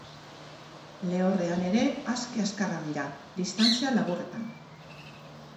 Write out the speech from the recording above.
Lehorrean ere aski azkarrak dira, distantzia laburretan.